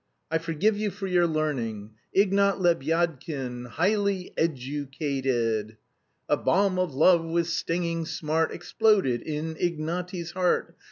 "I forgive you for your learning! Ignat Lebyadkin high ly ed u cated.... 'A bomb of love with stinging smart Exploded in Ignaty's heart.